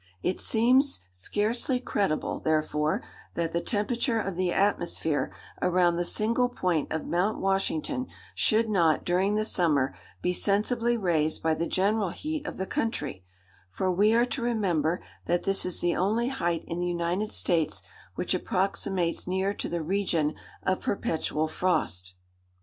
It seems scarcely credible, therefore, that the temperature of the atmosphere around the single point of Mount Washington should not, during the summer, be sensibly raised by the general heat of the country: for we are to remember that this is the only height in the United States which approximates near to the region of perpetual frost.